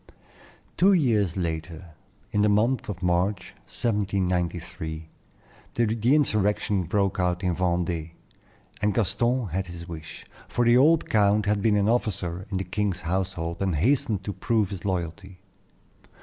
Two years later, in the month of March, 1793, the insurrection broke out in Vendée, and Gaston had his wish; for the old count had been an officer of the king's household, and hastened to prove his loyalty.